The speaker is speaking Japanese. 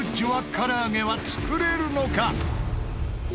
唐揚げは作れるのか？